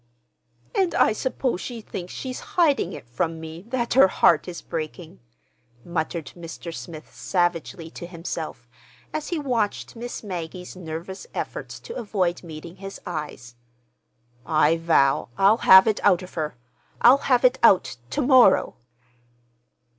"And I suppose she thinks she's hiding it from me—that her heart is breaking!" muttered Mr. Smith savagely to himself, as he watched Miss Maggie's nervous efforts to avoid meeting his eyes. "I vow I'll have it out of her. I'll have it out—to morrow!"